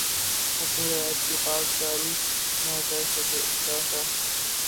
اپنی روایت کی پاسداری نہ کر سکے اصلاح کا